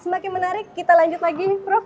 semakin menarik kita lanjut lagi prof